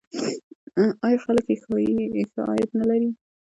آیا خلک یې ښه عاید نلري؟